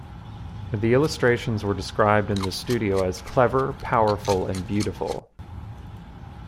The illustrations were described in The Studio as "clever, powerful and beautiful".